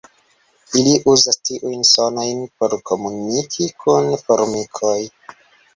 Ili uzas tiujn sonojn por komuniki kun formikoj.